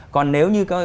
còn nếu như